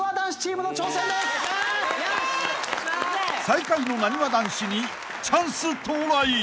［最下位のなにわ男子にチャンス到来］